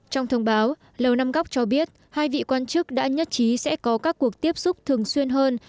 trong thông báo lầu năm góc cho biết hai vị quan chức đã nhất trí sẽ có các cuộc tiếp xúc thường xuyên hơn